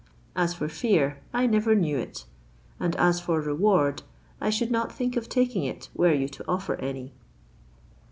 As for fear, I never knew it; and as for reward, I should not think of taking it, were you to offer any."